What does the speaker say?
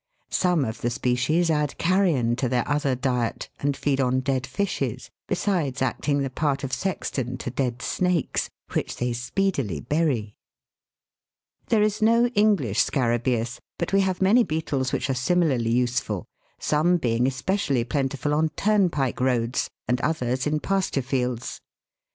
Some of the species add carrion to their other diet, and feed on dead fishes, besides acting the part of sexton to dead snakes, which they speedily bury. Fig. 46. THE SACRED SCARA B/EUS. 224 THE WORLD'S LUMBER ROOM. There is no English Scarabreus, but we have many beetles which are similarly useful, some being especially plentiful on turnpike roads, and others in pasture fields.